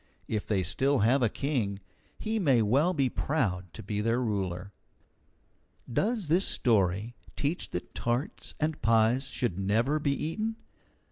If they have still a king, he may well be proud to be their ruler. Does this story teach that tarts and pies should never be eaten?